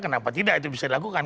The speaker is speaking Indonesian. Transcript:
kenapa tidak itu bisa dilakukan